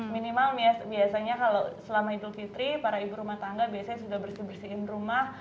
minimal biasanya kalau selama idul fitri para ibu rumah tangga biasanya sudah bersih bersihin rumah